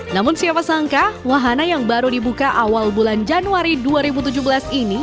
namun siapa sangka wahana yang baru dibuka awal bulan januari dua ribu tujuh belas ini